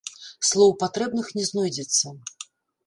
Слоў патрэбных не знойдзецца.